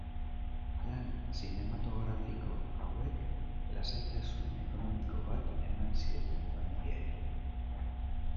Lan zinematografiko hauek lasaitasun ekonomiko bat eman zioten familiari.